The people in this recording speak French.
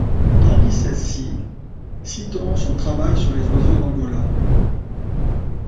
Parmi celles-ci citons son travail sur les oiseaux d'Angola.